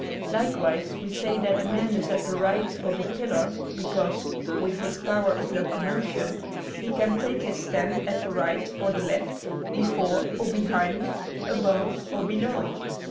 Likewise, we say that a man is at the right of a pillar because, with his power of locomotion, he can take his stand at the right or the left, before or behind, above or below.